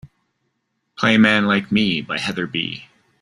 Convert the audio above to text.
Play Man Like Me by heather b.